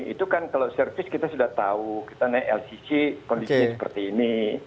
itu kan kalau service kita sudah tahu kita naik lcc kondisinya seperti ini